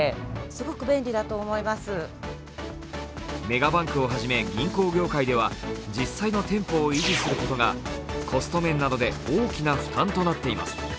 メガバンクをはじめ銀行業界では実際の店舗を維持することがコスト面などで大きな負担となっています。